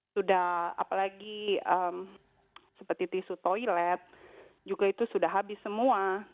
sudah apalagi seperti tisu toilet juga itu sudah habis semua